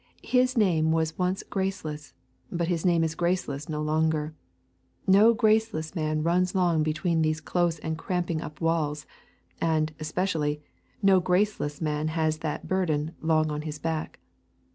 His name was once Graceless, but his name is Graceless no longer. No graceless man runs long between these close and cramping up walls; and, especially, no graceless man has that burden long on his back.